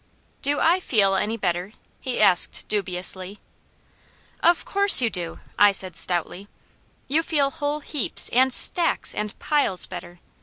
"Do I feel any better?" he asked dubiously. "Of course you do!" I said stoutly. "You feel whole heaps, and stacks, and piles better.